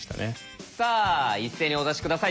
さあ一斉にお出し下さい。